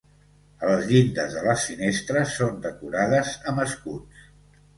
A les llindes de les finestres són decorades amb escuts.